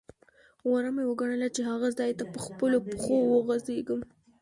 غوره مې وګڼله چې هغه ځاې ته په خپلو پښو وخوځېږم.